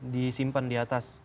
disimpan di atas